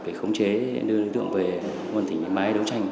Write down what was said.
để khống chế đưa đối tượng về quân thỉnh máy đấu tranh